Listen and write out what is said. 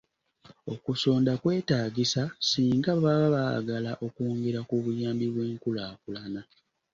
Okusonda kwetaagisa singa baba baagala okwongera ku buyambi bw'enkulaakulana.